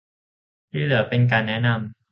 ที่เหลือเป็นการแนะนำ